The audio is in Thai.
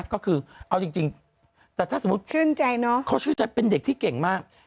ก็คือเอาจริงแต่จะถูกชื่นใจนะเขาช่วยจะเป็นเด็กที่เก่งมาก